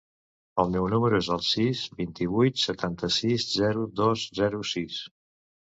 El meu número es el sis, vint-i-vuit, setanta-sis, zero, dos, zero, sis.